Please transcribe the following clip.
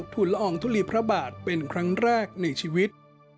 ุลอองทุลีพระบาทเป็นครั้งแรกในชีวิต